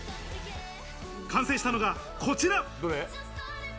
完成したのがこちら。